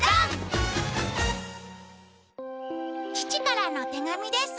父からの手紙です。